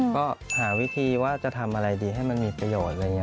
ก็หาวิธีว่าจะทำอะไรดีให้มันมีประโยชน์